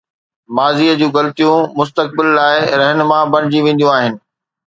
ماضيءَ جون غلطيون مستقبل لاءِ رهنما بڻجي وينديون آهن.